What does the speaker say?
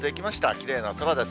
きれいな空です。